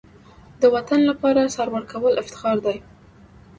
د وطن لپاره سر ورکول افتخار دی.